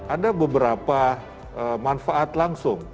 ada beberapa manfaat langsung